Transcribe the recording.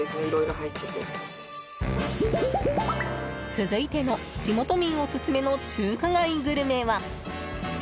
続いての地元民オススメの中華街グルメは。